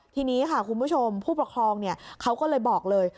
ทีนี้ค่ะคุณผู้ชมผู้ปกครองเขาก็เลยบอกเลย